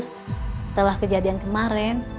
setelah kejadian kemarin